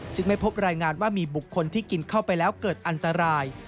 ไม่พบรายงานว่ามีบุคคลที่กินเข้าไปแล้วเกิดอันตราย